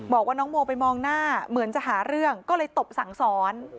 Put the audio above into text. บอกว่าน้องโมไปมองหน้าเหมือนจะหาเรื่องก็เลยตบสั่งสอน